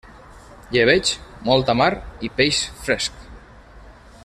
Llebeig, molta mar i peix fresc.